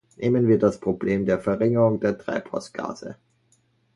Nehmen wir das Problem der Verringerung der Treibhausgase.